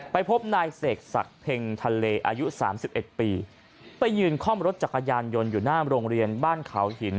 ไปพบนายเสกศักดิ์เพ็งทะเลอายุสามสิบเอ็ดปีไปยืนคล่อมรถจักรยานยนต์อยู่หน้าโรงเรียนบ้านเขาหิน